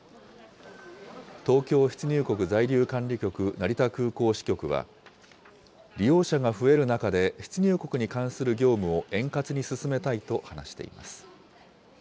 東京出入国在留管理局成田空港支局は、利用者が増える中で、出入国に関する業務を円滑に進めたいと話しています。